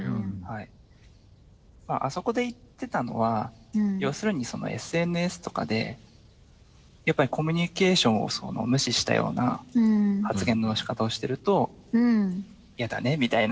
あそこで言ってたのは要するにＳＮＳとかでやっぱりコミュニケーションを無視したような発言のしかたをしてると嫌だねみたいな。